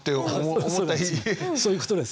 そういうことです。